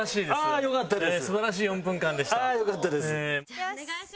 ああよかったです。